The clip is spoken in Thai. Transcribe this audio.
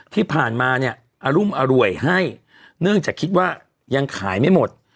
ที่ผ่านมาเนี่ยอรุมอร่วยให้เนื่องจากคิดว่ายังขายไม่หมด